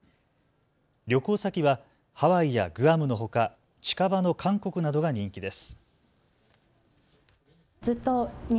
旅行先はハワイやグアムのほか、近場の韓国などが人気です。